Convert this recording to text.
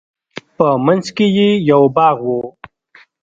په منځ کښې يې يو باغ و.